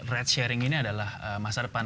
ride sharing ini adalah masa depan